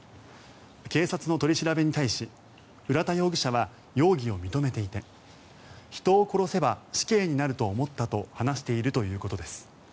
警察の取り調べに対し浦田容疑者は容疑を認めていて人を殺せば死刑になると思ったと話しているということです。